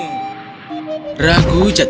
kau tidak bisa kemari